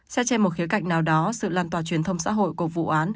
sẽ trên một khía cạnh nào đó sự lăn tòa truyền thông xã hội của vụ án